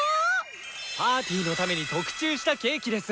パーティーのために特注したケーキです！